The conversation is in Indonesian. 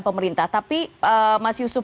pemerintah tapi mas yusuf